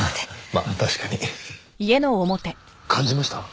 まあ確かに。感じました？